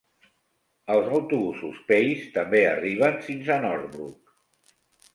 Els autobusos Pace també arriben fins a Northbrook.